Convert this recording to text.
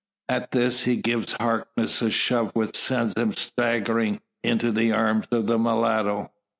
At this, he gives Harkness a shove which sends him staggering into the arms of the mulatto.